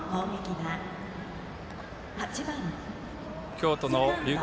京都の龍谷